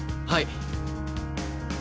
はい！